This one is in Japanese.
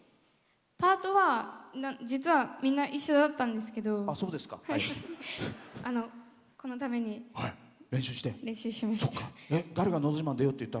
パートは実はみんな一緒だったんですけどこのために練習しました。